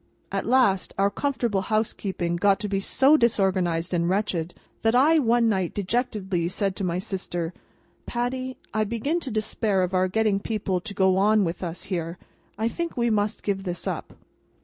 At last, our comfortable housekeeping got to be so disorganised and wretched, that I one night dejectedly said to my sister: "Patty, I begin to despair of our getting people to go on with us here, and I think we must give this up."